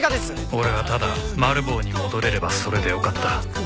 俺はただマル暴に戻れればそれでよかった